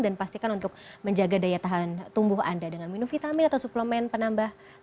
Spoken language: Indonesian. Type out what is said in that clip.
dan pastikan untuk menjaga daya tahan tumbuh anda dengan minum vitamin atau suplemen penambah